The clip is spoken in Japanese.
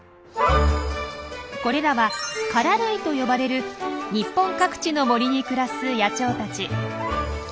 これらは「カラ類」と呼ばれる日本各地の森に暮らす野鳥たち。